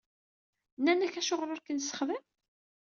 Nnan-ak Acuɣer ur k-nessexdem?